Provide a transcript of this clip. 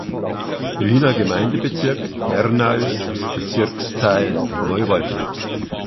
Wiener Gemeindebezirk, Hernals, Bezirksteil Neuwaldegg.